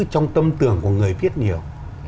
trong tâm tưởng của người viết nhiều